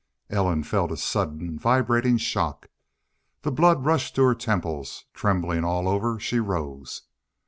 Ellen felt a sudden vibrating shock. The blood rushed to her temples. Trembling all over, she rose.